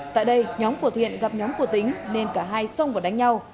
tại đây nhóm của thiện gặp nhóm của tỉnh nên cả hai xông và đánh nhau